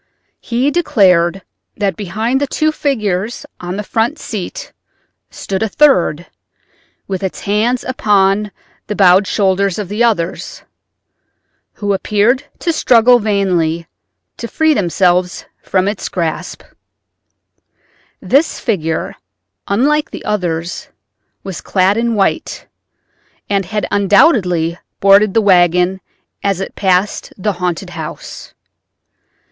He declared that behind the two figures on the front seat stood a third, with its hands upon the bowed shoulders of the others, who appeared to struggle vainly to free themselves from its grasp. This figure, unlike the others, was clad in white, and had undoubtedly boarded the wagon as it passed the haunted house.